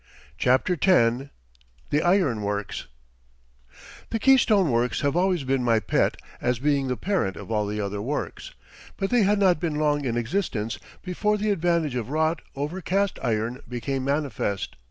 CHAPTER X THE IRON WORKS The Keystone Works have always been my pet as being the parent of all the other works. But they had not been long in existence before the advantage of wrought over cast iron became manifest.